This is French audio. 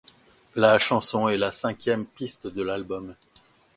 La chanson est la cinquième piste de l'album.